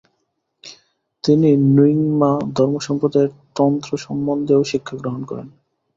তিনি র্ন্যিং-মা ধর্মসম্প্রদায়ের তন্ত্র সম্বন্ধেও শিক্ষাগ্রহণ করেন।